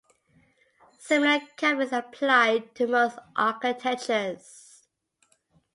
Similar caveats apply to most architectures.